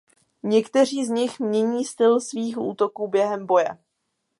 Někteří z nich mění styl svých útoků během boje.